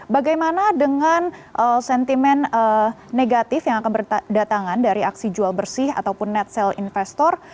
bagaimana dengan sentimen negatif yang akan berdatangan dari aksi jual bersih ataupun net sale investor